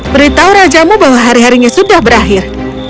beritahu rajamu bahwa hari harinya sudah berakhir